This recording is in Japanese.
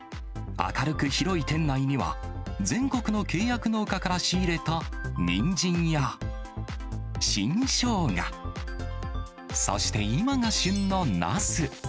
明るく広い店内には、全国の契約農家から仕入れたにんじんや、新しょうが、そして今が旬のなす。